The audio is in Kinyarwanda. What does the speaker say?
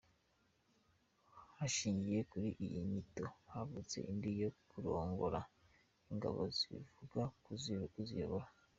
Hashingiye kuri iyi nyito havutse indi yo kuroongoora ingabo bivuga kuziyobora.